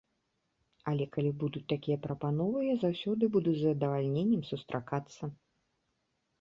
Але калі будуць такія прапановы, я заўсёды буду з задавальненнем сустракацца.